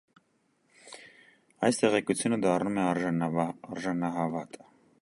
Այդ տեղեկությունը դառնում է արժանահավատ։